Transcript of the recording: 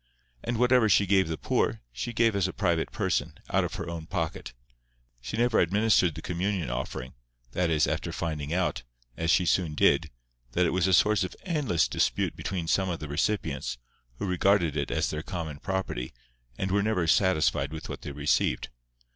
And whatever she gave the poor, she gave as a private person, out of her own pocket. She never administered the communion offering—that is, after finding out, as she soon did, that it was a source of endless dispute between some of the recipients, who regarded it as their common property, and were never satisfied with what they received.